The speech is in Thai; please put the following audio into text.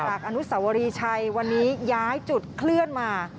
อนุสวรีชัยวันนี้ย้ายจุดเคลื่อนมา